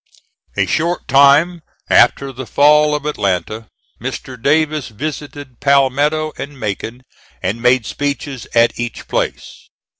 A short time after the fall of Atlanta Mr. Davis visited Palmetto and Macon and made speeches at each place.